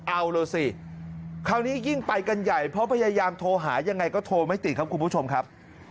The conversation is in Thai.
เอาล่ะสิคราวนี้ยิ่งไปกันใหญ่เพราะพยายามโทรหายังไงก็โทรไม่ติดครับคุณผู้ชมครับ